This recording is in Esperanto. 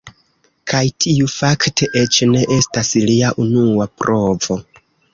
Kaj tiu fakte eĉ ne estas lia unua provo.